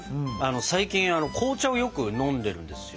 最近紅茶をよく飲んでるんですよ。